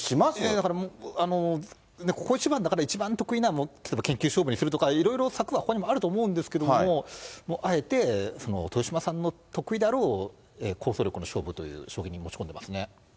だからもう、ここ一番だから一番得意な例えば、研究勝負にするとか、いろいろ策はほかにもあると思うんですけど、もうあえて、豊島さんの得意であろう、構想力の勝負という将棋に持ち込んでますね。